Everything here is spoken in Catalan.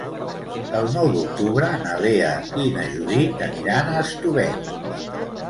El nou d'octubre na Lea i na Judit aniran a Estubeny.